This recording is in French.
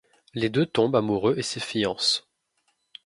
Les deux tombent amoureux et se fiancent.